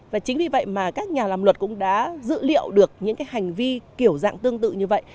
và chính vì vậy mà các nhà làm luật cũng đã dự liệu được những cái hành vi kiểu dạng tương tự như vậy